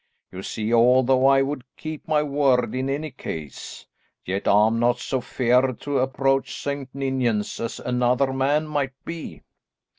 You see although I would keep my word in any case, yet I'm not so feared to approach St. Ninians as another man might be.